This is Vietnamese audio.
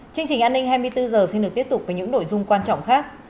chương trình an ninh hai mươi bốn h xin được tiếp tục với những nội dung quan trọng khác